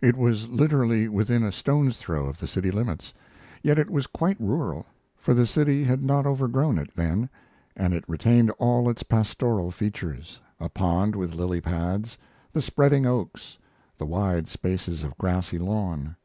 It was literally within a stone's throw of the city limits, yet it was quite rural, for the city had not overgrown it then, and it retained all its pastoral features a pond with lily pads, the spreading oaks, the wide spaces of grassy lawn.